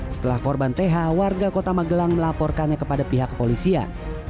setelah korban th warga kota magelang melaporkannya kepada pihak kepolisian